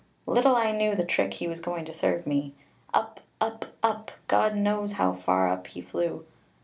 Little I knew the trick he was going to serve me. Up up up, God knows how far up he flew.